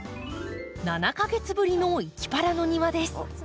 ７か月ぶりの「いきパラ」の庭です。